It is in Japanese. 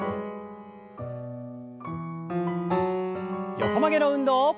横曲げの運動。